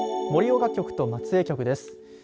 盛岡局と松江局です。